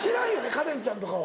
カレンちゃんとかは。